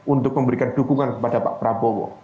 untuk memberikan dukungan kepada pak prabowo